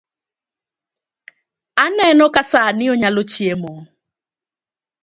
Aneno ka sani onyalo chiemo